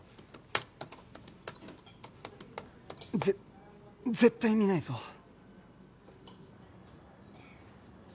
ぜ絶対見ないぞ